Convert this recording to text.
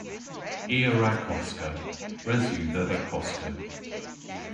I a wra koska. Res yw dhedha koska.